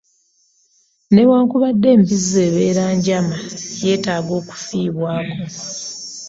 Newankubadde embizzi ebeera njama yetaaga okufiibwako.